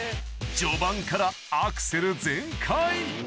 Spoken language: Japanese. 序盤からアクセル全開！